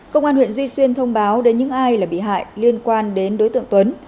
công an huyện duy xuyên thông báo đến những ai là bị hại liên quan đến đối tượng tuấn